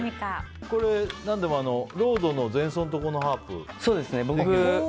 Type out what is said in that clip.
「ロード」の前奏のところのハープ。